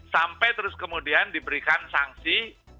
sampai terus kemudian diberikan sanksi